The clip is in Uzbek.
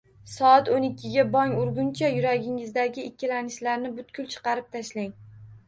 Soat o`n ikkiga bong urguncha, yuragingizdagi ikkilanishlarni butkul chiqarib tashlang